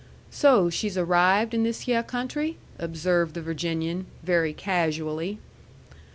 "So she's arrived in this hyeh country?" observed the Virginian, very casually.